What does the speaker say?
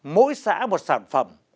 mỗi xã một sản phẩm